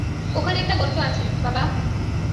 ওখানে একটা গর্ত আছে, বাবা।